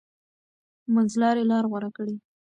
منځلاري لار غوره کړئ.